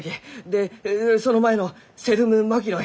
でその前の「セドゥム・マキノイ」